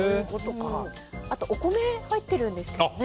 あと、お米が入ってるんですよね。